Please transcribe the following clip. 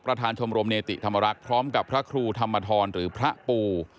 ชมรมเนติธรรมรักษ์พร้อมกับพระครูธรรมทรหรือพระปู